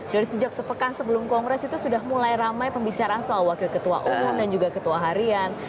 dari sejak sepekan sebelum kongres itu sudah mulai ramai pembicaraan soal wakil ketua umum dan juga ketua harian